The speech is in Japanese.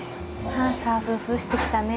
ああサーフーフーしてきたね。